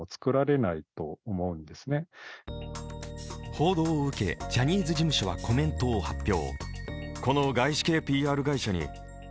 報道を受けジャニーズ事務所はコメントを発表。